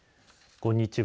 こんにちは。